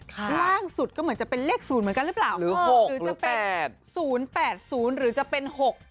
ล่าสุดก็เหมือนจะเป็นเลข๐เหมือนกันหรือเปล่า๖หรือจะเป็น๐๘๐หรือจะเป็น๖๘